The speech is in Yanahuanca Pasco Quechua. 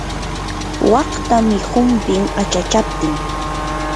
waqtamii humpin achachaptin.